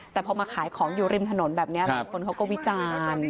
แต่พอมาขายของอยู่ริมถนนแบบนี้หลายคนเขาก็วิจารณ์